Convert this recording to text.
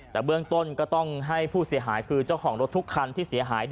แต่เบื้องต้นก็ต้องให้ผู้เสียหายคือเจ้าของรถทุกคันที่เสียหาย